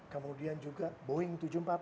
kemudian juga boeing tujuh ratus empat puluh